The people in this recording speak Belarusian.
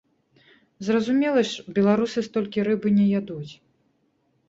Зразумела ж, беларусы столькі рыбы не ядуць.